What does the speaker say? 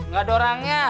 gak ada orangnya